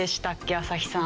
朝日さん。